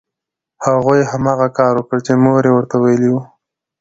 هغوی هماغه کار وکړ چې مور یې ورته ویلي وو